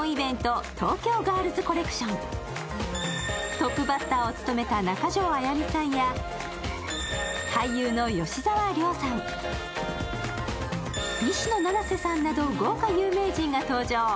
トップバッターを務めた中条あやみさんや俳優の吉沢亮さん、西野七瀬さんなど豪華有名人が登場。